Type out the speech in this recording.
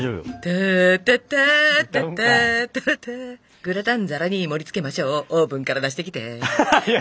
タータタータタータラターグラタン皿に盛りつけましょうオーブンから出してきてははは！